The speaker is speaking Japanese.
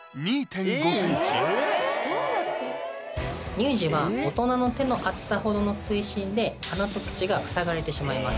乳児は大人の手の厚さほどの水深で鼻と口がふさがれてしまいます。